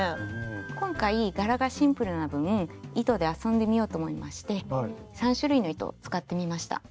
今回柄がシンプルな分糸で遊んでみようと思いまして３種類の糸を使ってみました。